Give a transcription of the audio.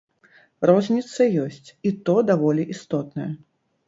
Розніца ёсць, і то даволі істотная.